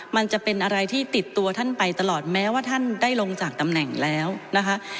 มันจะเป็นอะไรที่ติดตัวท่านไปตลอดแม้ว่าท่านได้ลงจากตำแหน่งแล้วนะคะ